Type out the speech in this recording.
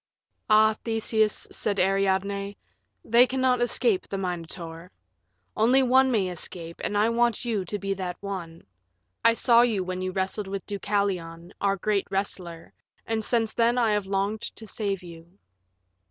"Ah, Theseus," said Ariadne, "they cannot escape the Minotaur. One only may escape, and I want you to be that one. I saw you when you wrestled with Deucalion, our great wrestler, and since then I have longed to save you."